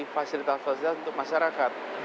fasilitas fasilitas untuk masyarakat